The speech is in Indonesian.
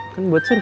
kan buat survei